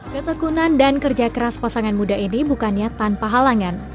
ketekunan dan kerja keras pasangan muda ini bukannya tanpa halangan